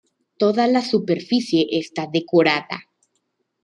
Toda la superficie está decorada.